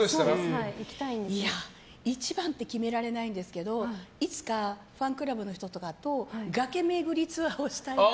一番って決められないんですけどいつかファンクラブの人とかと崖巡りツアーをしたいなって。